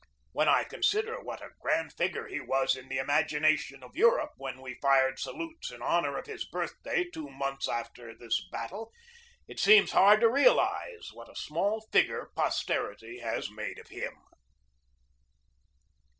When I consider what a grand figure he was in the imagination of Europe when we fired salutes in honor of his birthday two months after this battle, it seems hard to realize what a small figure posterity has made of him.